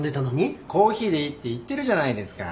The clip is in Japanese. コーヒーでいいって言ってるじゃないですか。